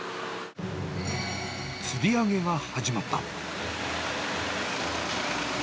つり上げが始まった。